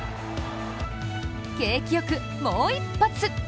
景気良く、もう一発。